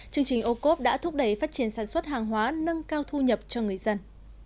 chương trình ocob đã thúc đẩy phát triển sản xuất hàng hóa nâng cao thu nhập cho người dân